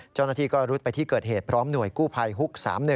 เจ้าหน้าที่ก็รุดไปที่เกิดเหตุพร้อมหน่วยกู้ภัยฮุก๓๑